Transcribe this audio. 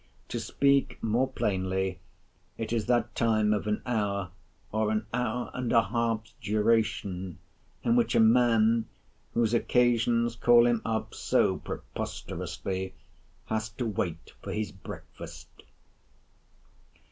To speak more plainly, it is that time, of an hour, or an hour and a half's duration, in which a man, whose occasions call him up so preposterously, has to wait for his breakfast.